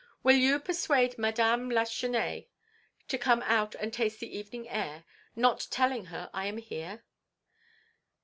"Will you persuade Madame Lachesnais to come out and taste the evening air, not telling her I am here?"